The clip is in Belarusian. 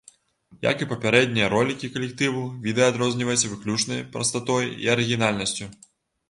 Як і папярэднія ролікі калектыву, відэа адрозніваецца выключнай прастатой і арыгінальнасцю.